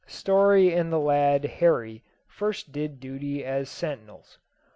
Story and the lad Horry did first duty as sentinels.